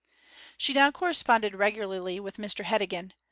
She now corresponded regularly with Mr Heddegan.